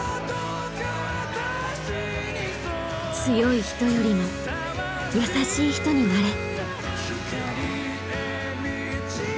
「強い人よりも優しい人になれ」。